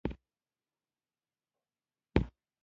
مداري استاد به له واشنګټن څخه ډولکی وښوراوه.